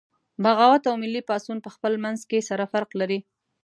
بغاوت او ملي پاڅون پخپل منځ کې سره فرق لري